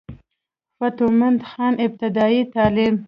فتح مند خان ابتدائي تعليم